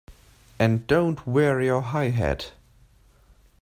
And don't wear your high hat!